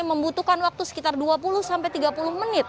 membutuhkan waktu sekitar dua puluh sampai tiga puluh menit